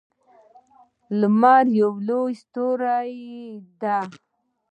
لمر یوه لویه ستوری ده